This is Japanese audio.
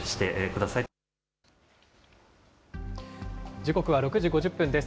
時刻は６時５０分です。